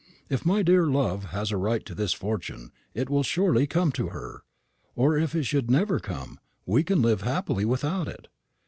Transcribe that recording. "If my dear love has a right to this fortune, it will surely come to her; or if it should never come, we can live very happily without it.